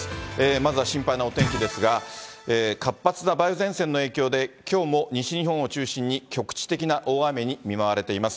まずは心配なお天気ですが、活発な梅雨前線の影響で、きょうも西日本を中心に、局地的な大雨に見舞われています。